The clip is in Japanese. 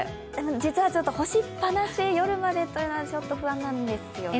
実は干しっぱなし、夜までというのはちょっと不安なんですよね。